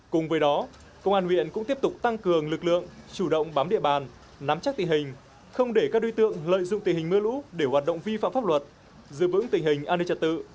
cùng với đó công an huyện cũng tiếp tục tăng cường lực lượng chủ động bám địa bàn nắm chắc tình hình không để các đối tượng lợi dụng tình hình mưa lũ để hoạt động vi phạm pháp luật giữ vững tình hình an ninh trật tự